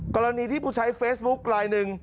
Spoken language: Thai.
กรณีที่ผู้ใช้เฟซบุ๊คลายหนึ่ง